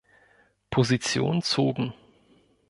Position zogen.